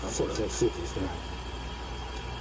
スープですね